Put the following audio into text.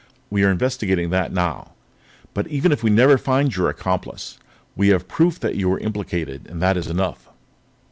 "We are investigating that now. But even if we never find your accomplice, we have proof that you were implicated, and that is enough."